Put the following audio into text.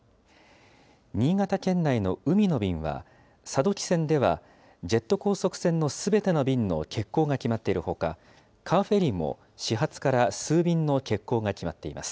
新潟県内の海の便は、佐渡汽船ではジェット高速船のすべての便の欠航が決まっているほか、カーフェリーも始発から数便の欠航が決まっています。